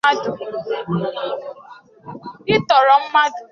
ịtọrọ mmadụ